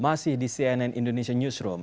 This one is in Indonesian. masih di cnn indonesia newsroom